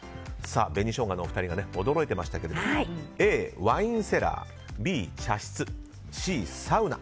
紅しょうがのお二人が驚いていましたけどＡ、ワインセラーＢ、茶室Ｃ、サウナ。